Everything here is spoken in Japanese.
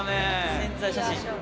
宣材写真。